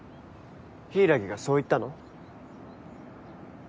柊がそう言ったの？